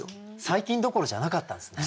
最近どころじゃなかったんですね。